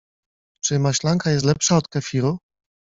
Czy maślanka jest lepsza od kefiru?